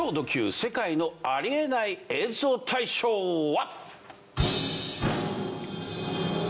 世界のありえない映像大賞は。